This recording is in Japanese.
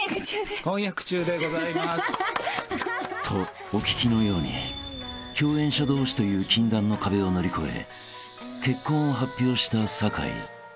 ［とお聞きのように共演者同士という禁断の壁を乗り越え結婚を発表した酒井］